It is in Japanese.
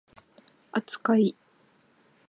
扱い